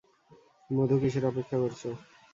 মধু, কীসের অপেক্ষা করছো?